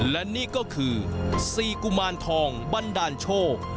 และนี่ก็คือ๔กุมารทองบันดาลโชค